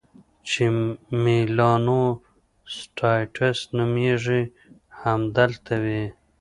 چې میلانوسایټس نومیږي، همدلته وي.